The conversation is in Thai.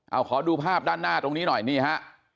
เอาขอดูภาพด้านหน้าตรงนี้หน่อยนี่ฮะ